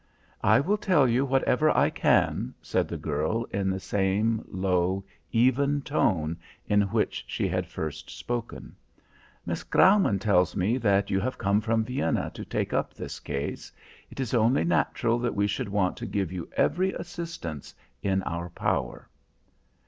"I will tell you whatever I can," said the girl in the same low even tone in which she had first spoken. "Miss Graumann tells me that you have come from Vienna to take up this case. It is only natural that we should want to give you every assistance in our power."